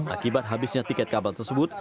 akibat habisnya tiket kabel tersebut